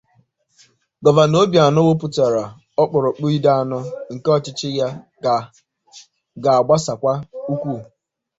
Gọvanọ Obianọ weputara ọkpụrụkpụ ide anọ nke ọchịchị ya ga-agbakwasa ụkwụ